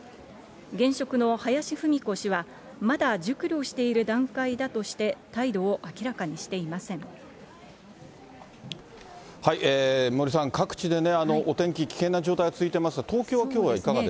現職の林文子氏はまだ熟慮している段階だとして、態度を明らかに森さん、各地でお天気、危険な状態が続いてますが、東京はきょうはいかがですか。